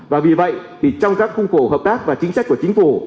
và vì vậy thì trong các khung khổ hợp tác và chính sách của chính phủ